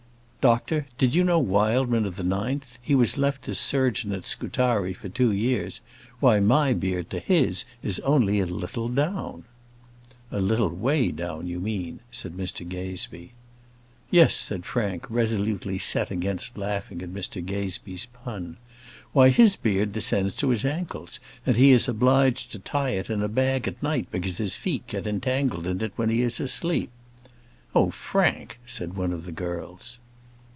"Doctor, did you know Wildman of the 9th? He was left as surgeon at Scutari for two years. Why, my beard to his is only a little down." "A little way down, you mean," said Mr Gazebee. "Yes," said Frank, resolutely set against laughing at Mr Gazebee's pun. "Why, his beard descends to his ankles, and he is obliged to tie it in a bag at night, because his feet get entangled in it when he is asleep!" "Oh, Frank!" said one of the girls.